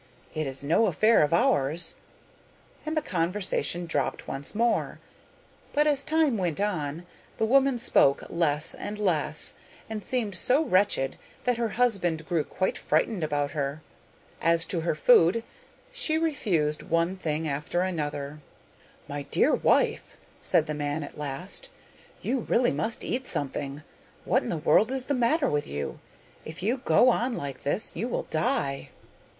'It is no affair of ours,' and the conversation dropped once more, but as time went on, the woman spoke less and less, and seemed so wretched that her husband grew quite frightened about her. As to her food, she refused one thing after another. 'My dear wife,' said the man at last, 'you really must eat something. What in the world is the matter with you? If you go on like this you will die.